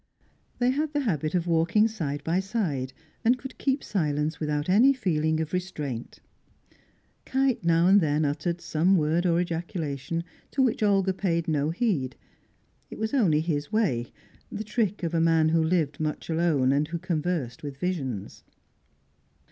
They had the habit of walking side by side, and could keep silence without any feeling of restraint. Kite now and then uttered some word or ejaculation, to which Olga paid no heed; it was only his way, the trick of a man who lived much alone, and who conversed with visions.